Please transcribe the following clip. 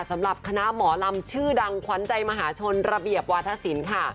สำหรับคณะหมอลำชื่อดังขวัญใจมหาชนระเบียบวาธศิลป์ค่ะ